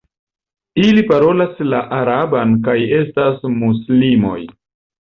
Ili parolas la araban kaj estas muslimoj.